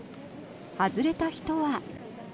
外れた人は。